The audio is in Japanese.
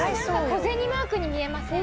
小銭マークに見えるね。